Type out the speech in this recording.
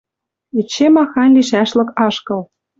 Эче махань лишӓшлык ашкыл.